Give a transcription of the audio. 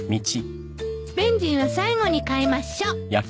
ベンジンは最後に買いましょう